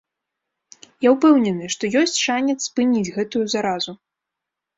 Я ўпэўнены, што ёсць шанец спыніць гэтую заразу.